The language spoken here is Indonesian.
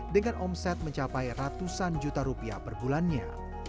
dengan omset mencapai ratusan juta rupiah per bulannya